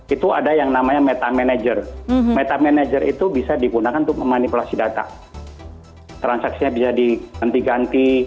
itu ada yang namanya metamanager metamanager itu bisa digunakan untuk memanipulasi data transaksinya bisa diganti ganti